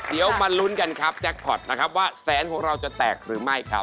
เดี๋ยวมาลุ้นกันครับแจ็คพอร์ตนะครับว่าแสงของเราจะแตกหรือไม่ครับ